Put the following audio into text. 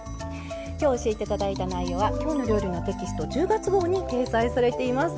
今日教えていただいた内容は「きょうの料理」テキスト１０月号に掲載されています。